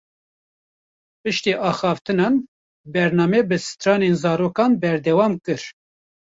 Piştî axaftinan, bername bi stranên zarokan berdewam kir